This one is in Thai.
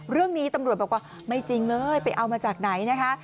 เรื่องนี้ตำรวจบอกว่าไม่จริงเลยไปเอามาจากไหนนะคะ